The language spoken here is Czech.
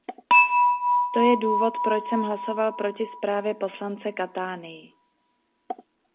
To je důvod, proč jsem hlasoval proti zprávě poslance Catanii.